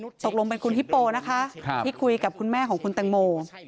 ตกลงเป็นคุณฮิปโปนะคะที่คุยกับคุณแม่ของคุณแตงโม